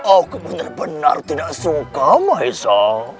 aku benar benar tidak suka mahesa